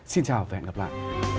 xin chào và hẹn gặp lại